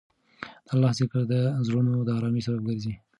د الله ذکر د زړونو د ارامۍ سبب ګرځي.